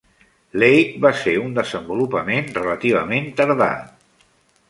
Lake va ser un desenvolupament relativament tardà.